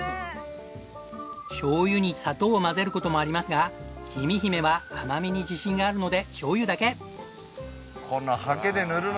しょうゆに砂糖を混ぜる事もありますがきみひめは甘みに自信があるのでしょうゆだけ！